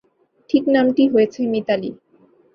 ঠিক নামটি হয়েছে–মিতালি।